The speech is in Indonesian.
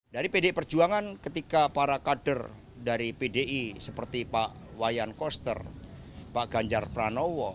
dari pdi perjuangan ketika para kader dari pdi seperti pak wayan koster pak ganjar pranowo